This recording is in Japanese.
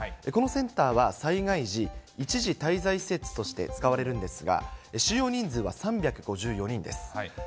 このセンターは災害時、一時滞在施設として使われるんですが、収容人数は３５４人です。